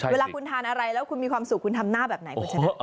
เวลาคุณทานอะไรแล้วคุณมีความสุขคุณทำหน้าแบบไหนคุณชนะ